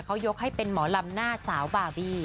เขายกให้เป็นหมอลำหน้าสาวบาร์บี้